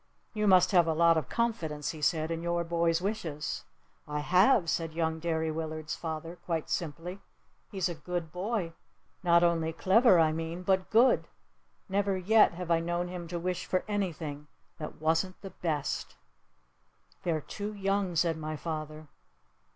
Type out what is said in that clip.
"You must have a lot of confidence," he said, "in your boy's wishes!" "I have!" said young Derry Willard's father, quite simply. "He's a good boy! Not only clever, I mean, but good! Never yet have I known him to wish for anything that wasn't the best!" "They're too young," said my father.